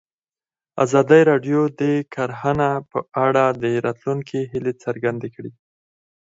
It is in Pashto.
ازادي راډیو د کرهنه په اړه د راتلونکي هیلې څرګندې کړې.